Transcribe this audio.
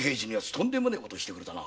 とんでもねえことしてくれたな。